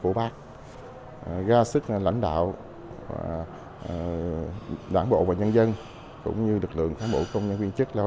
của bác ra sức lãnh đạo đảng bộ và nhân dân cũng như lực lượng cán bộ công nhân viên chức lao